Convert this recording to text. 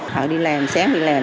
họ đi làm sáng đi làm